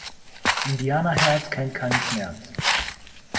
Indianerherz kennt keinen Schmerz!